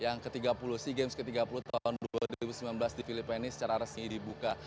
yang ke tiga puluh sea games ke tiga puluh tahun dua ribu sembilan belas di filipina ini secara resmi dibuka